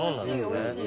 おいしい。